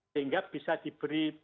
sehingga bisa diberi